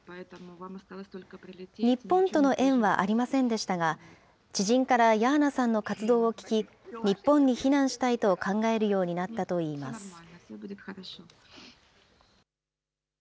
日本との縁はありませんでしたが、知人からヤーナさんの活動を聞き、日本に避難したいと考えるようになったといいます。